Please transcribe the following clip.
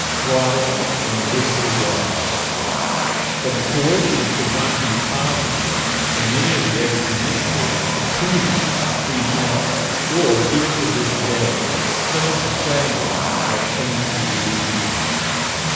Throttle and disregard. But the coercion could not be positive, and many of the excommunicated continued to creep in; or, even to this day, some of the strangled are faintly breathing.